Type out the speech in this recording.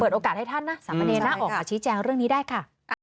โอกาสให้ท่านนะสามเณรนะออกมาชี้แจงเรื่องนี้ได้ค่ะ